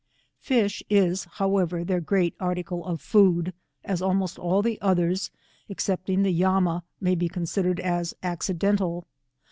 Fish is, however, their great article of food, as almost all the others, excepting the yama, may be considered as accidental.